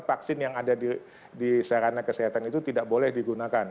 vaksin yang ada di sarana kesehatan itu tidak boleh digunakan